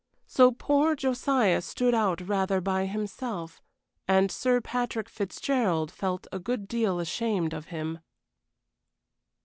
So poor Josiah stood out rather by himself, and Sir Patrick Fitzgerald felt a good deal ashamed of him.